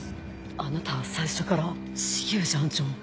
あなたは最初から重藤班長を。